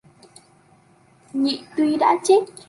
Nhị tuy đã chết